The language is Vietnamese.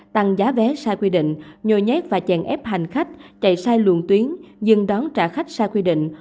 tăng giá vé sai quy định nhồi nhét và chèn ép hành khách chạy sai luồng tuyến dừng đón trả khách sai quy định